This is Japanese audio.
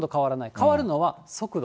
変わるのは速度。